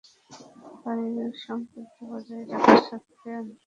পারিবারিক সম্প্রীতি বজায় রাখার স্বার্থে অন্যের মতামতকেও গুরুত্ব দিতে হতে পারে।